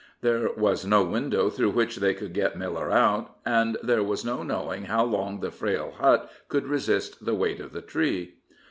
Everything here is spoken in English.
There was no window through which they could get Miller out, and there was no knowing how long the frail hut could resist the weight of the tree.